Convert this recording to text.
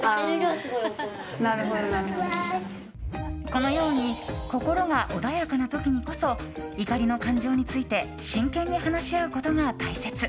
このように心が穏やかな時にこそ怒りの感情について、真剣に話し合うことが大切。